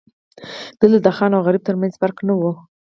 دلته د خان او غریب ترمنځ فرق نه و.